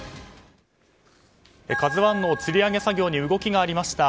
「ＫＡＺＵ１」のつり上げ作業に動きがありました。